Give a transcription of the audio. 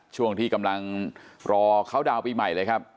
ช่วงที่กำลังรอเข้าดาวน์ปีใหม่เลยครับ